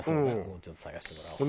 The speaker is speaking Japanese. もうちょっと探してもらおう。